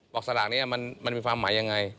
สลากนี้มันมีความหมายยังไง